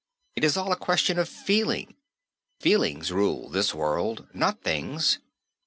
It is all a question of feeling. Feelings rule this world, not things.